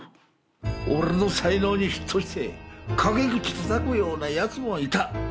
俺の才能に嫉妬して陰口たたくようなやつもいた。